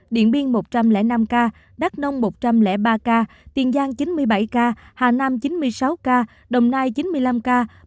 điện biên một trăm linh năm ca đắc nông một trăm linh ba ca tiền giang chín mươi bảy ca hà nam chín mươi sáu ca đồng nai chín jerusalem năm tây ninh năm